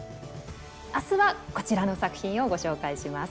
明日はこちらの作品をご紹介します。